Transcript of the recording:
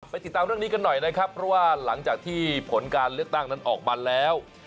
ติดตามเรื่องนี้กันหน่อยนะครับเพราะว่าหลังจากที่ผลการเลือกตั้งนั้นออกมาแล้ว